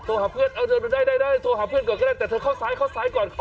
หาเพื่อนเออเดินไปได้โทรหาเพื่อนก่อนก็ได้แต่เธอเข้าซ้ายเข้าซ้ายก่อน